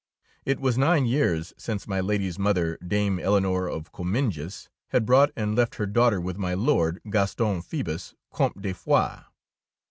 It was nine years since my Lady^s mother. Dame Eleonore of Comminges, had brought and left her daughter with my Lord, Gaston Phoe bus, Comte de Foix.